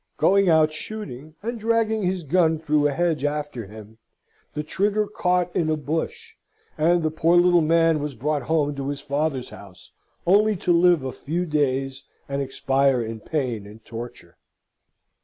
Going out shooting, and dragging his gun through a hedge after him, the trigger caught in a bush, and the poor little man was brought home to his father's house, only to live a few days and expire in pain and torture.